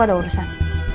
aku ada urusan